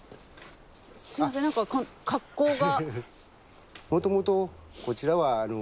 すいません何か格好が。